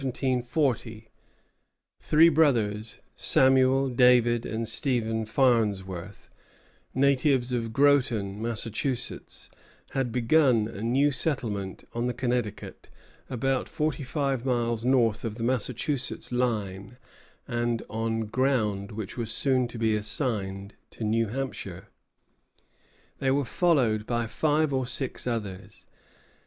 ] But some years before, in 1740, three brothers, Samuel, David, and Stephen Farnsworth, natives of Groton, Massachusetts, had begun a new settlement on the Connecticut about forty five miles north of the Massachusetts line and on ground which was soon to be assigned to New Hampshire. They were followed by five or six others.